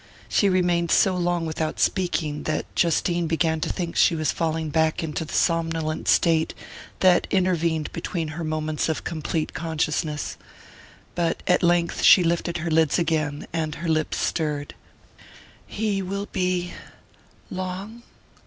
She remained so long without speaking that Justine began to think she was falling back into the somnolent state that intervened between her moments of complete consciousness. But at length she lifted her lids again, and her lips stirred. "He will be...long...